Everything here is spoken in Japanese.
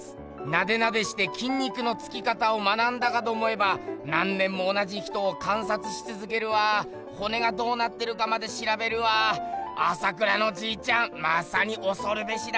ナデナデして筋肉のつき方を学んだかと思えば何年も同じ人を観察しつづけるわ骨がどうなってるかまでしらべるわ朝倉のじいちゃんまさにおそるべしだなあ。